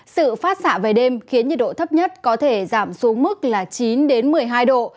sự phát xạ về đêm khiến nhiệt độ thấp nhất có thể giảm xuống mức là chín một mươi hai độ